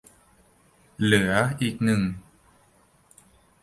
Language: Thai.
เหลืออีกหนึ่ง